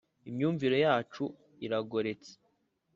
imyumvire yacu iragoretse.